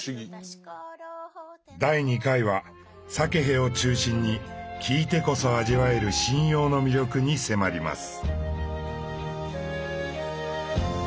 第２回はサケヘを中心に聞いてこそ味わえる神謡の魅力に迫ります。